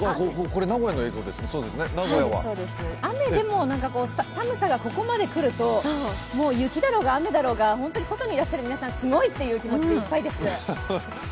雨でも、寒さがここまでくると、もう雪だろうが雨だろうが外にいらっしゃる皆さんすごいっていう気持ちでいっぱいです。